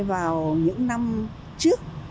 vào những năm trước một nghìn chín trăm chín mươi